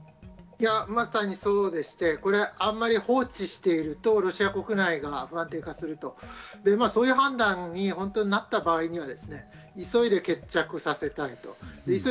まさにそうでして、あまり放置しているとロシア国内が安定化すると、そういう判断になった場合には急いで決着させたいと。